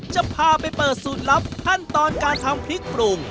จะพาไปเปิดสูตรลับขั้นตอนการทำพริกปรุง